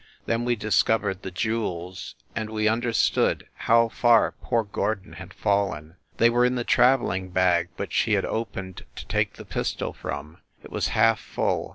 Then we discovered the jewels, and we understood how far poor Gordon had fallen ! They were in the traveling bag which he had opened to take the pistol from. It was half full.